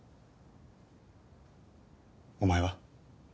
お前は？